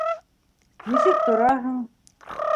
Нисек тораһың?